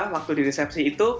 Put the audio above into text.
waktu di resepsi itu